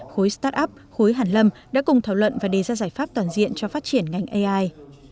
khối start up khối hàn lâm đã cùng thảo luận và đề ra giải pháp toàn diện cho phát triển ngành ai